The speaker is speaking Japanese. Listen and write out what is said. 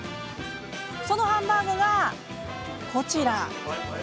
そのハンバーグが、こちら。